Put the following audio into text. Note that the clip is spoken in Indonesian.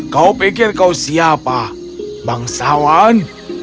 kau pikir kau siapa bangsawan